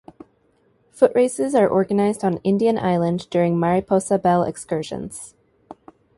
Foot races are organized on Indian Island during "Mariposa Belle" excursions.